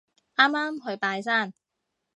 啱啱去拜山